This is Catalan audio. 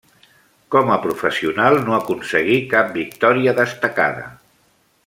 Com a professional no aconseguí cap victòria destacada.